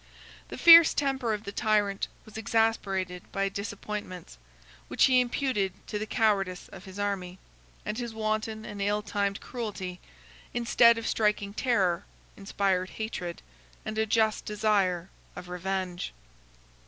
The fierce temper of the tyrant was exasperated by disappointments, which he imputed to the cowardice of his army; and his wanton and ill timed cruelty, instead of striking terror, inspired hatred, and a just desire of revenge.